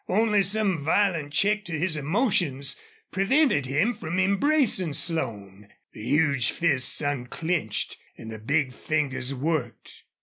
Only some violent check to his emotion prevented him from embracing Slone. The huge fists unclenched and the big fingers worked.